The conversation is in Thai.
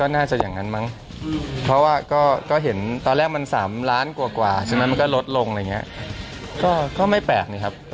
ไม่ได้ไปติดใจเรื่องว่าตัวเลขอะไรอย่างนี้